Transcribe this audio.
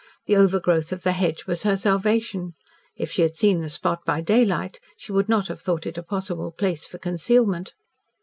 The overgrowth of the hedge was her salvation. If she had seen the spot by daylight, she would not have thought it a possible place of concealment.